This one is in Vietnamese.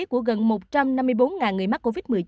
của gần một trăm năm mươi bốn người mắc covid một mươi chín